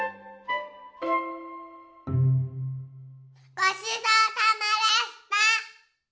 ごちそうさまでした。